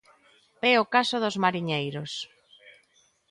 É o caso dos mariñeiros.